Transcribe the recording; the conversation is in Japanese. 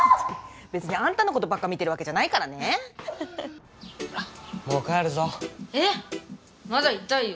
別にあんたのことばっか見てるわけじゃないからねほらもう帰るぞえっまだいたいよ何日いるつもりだよ